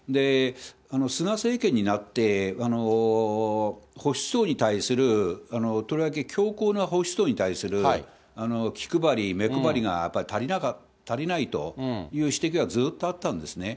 菅政権になって、保守層に対する、とりわけ強硬な保守層に対する気配り、目配りがやっぱり足りないという指摘はずっとあったんですね。